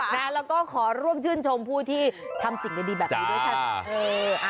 แล้วก็ขอร่วมชื่นชมผู้ที่ทำสิ่งดีแบบนี้ด้วยค่ะ